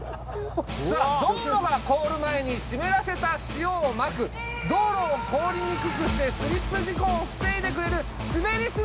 さあ道路が凍る前に湿らせた塩を撒く道路を凍りにくくしてスリップ事故を防いでくれる滑り